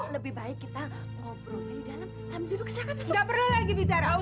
lebih baik kita ngobrol di dalam sambil duduk